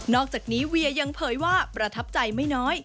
อกจากนี้เวียยังเผยว่าประทับใจไม่น้อย